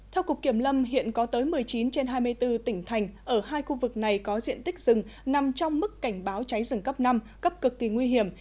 theo cục kiểm lâm hiện có tới một mươi chín trên hai mươi bốn tỉnh thành ở hai khu vực này có diện tích rừng nằm trong mức cảnh báo cháy rừng cấp năm cấp cực kỳ nguy hiểm